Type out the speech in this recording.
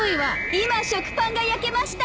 今食パンが焼けました！